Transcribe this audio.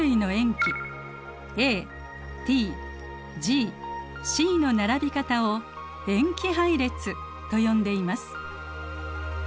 ＡＴＧＣの並び方を塩基配列と呼んでいます。